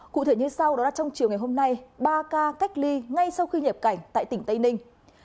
cụ thể như sau đó là trong chiều ngày hôm nay ba ca cách ly ngay sau khi nhập cảnh tại tỉnh tây ninh